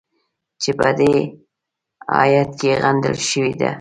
چې په دې ایت کې غندل شوې ده.